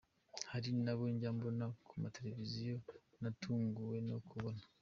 Hari n’abo njya mbona ku mateleviziyo natunguwe no kubona.